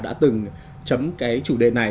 đã từng chấm cái chủ đề này